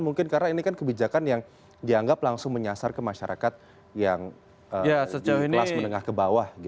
mungkin karena ini kan kebijakan yang dianggap langsung menyasar ke masyarakat yang di kelas menengah ke bawah